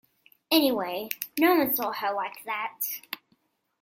Anyway, no one saw her like that.